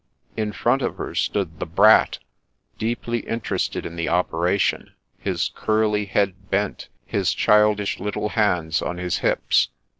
In front of her stood the Brat, deeply interested in the operation, his curly head bent, his childish little hands on his hips.